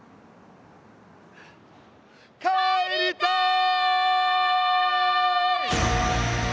帰りたい！